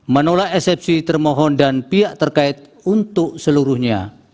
menolak eksepsi termohon dan pihak terkait untuk seluruhnya